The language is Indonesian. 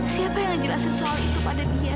siapa yang ngejelasin soal itu pada dia